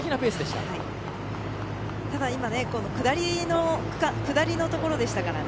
ただ下りのところでしたからね。